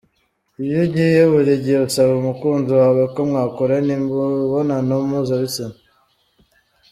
Iyo ugiye buri gihe usaba umukunzi wawe ko mwakorana imibonano mpuzabitsina.